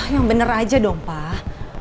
yang bener aja dong pak